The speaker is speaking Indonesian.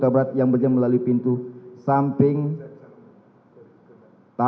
bapak yang sudah menjawab poin ini